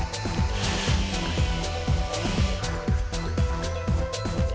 wajahnya metti mengalihkan dunia aku